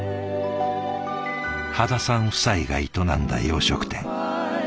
羽田さん夫妻が営んだ洋食店。